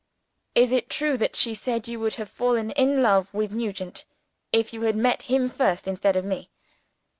Is it true that she said you would have fallen in love with Nugent, if you had met him first instead of me?"